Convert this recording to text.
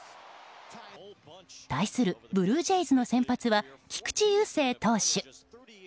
対するブルージェイズの先発は菊池雄星投手。